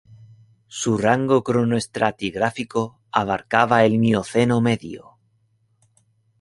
Su rango cronoestratigráfico abarcaba el Mioceno medio.